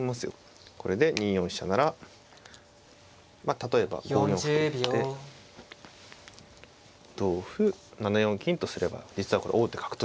これで２四飛車なら例えば５四歩と打って同歩７四金とすれば実はこれ王手角取りですね。